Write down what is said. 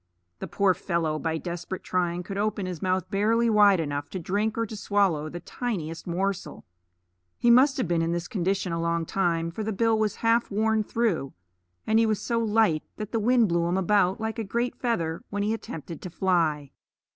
The poor fellow by desperate trying could open his mouth barely wide enough to drink or to swallow the tiniest morsel. He must have been in this condition a long time, for the bill was half worn through, and he was so light that the wind blew him about like a great feather when he attempted to fly.